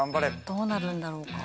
どうなるんだろうか？